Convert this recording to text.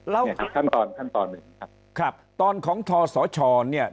เนี่ยครับขั้นตอนขั้นตอนหนึ่งครับครับตอนของทศชเนี่ย